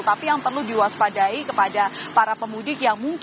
tapi yang perlu diwaspadai kepada para pemudik